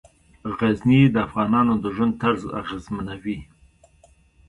غزني د افغانانو د ژوند طرز اغېزمنوي.